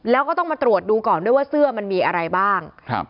แล้วก็ต้องมาตรวจดูก่อนด้วยว่าเสื้อมันมีอะไรบ้างครับ